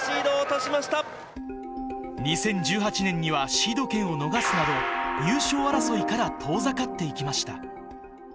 ９年ぶり駒澤大学がシードを２０１８年にはシード権を逃すなど、優勝争いから遠ざかっていきました。